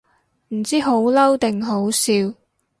唔知好嬲定好笑